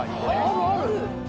あるある！